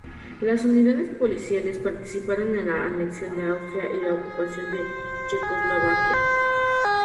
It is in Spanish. Las unidades policiales participaron en la anexión de Austria y la ocupación de Checoslovaquia.